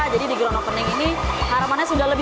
jadi di grand opening ini harapannya sudah lebih banyak lah ya